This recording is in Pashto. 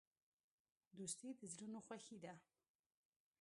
دوستي د زړونو خوښي ده.